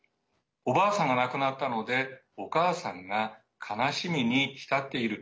おばあさんが亡くなったのでお母さんが悲しみに浸っている。